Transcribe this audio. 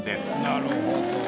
なるほど。